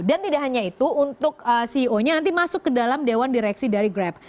dan tidak hanya itu untuk ceo nya nanti masuk ke dalam dewan direksi dari grab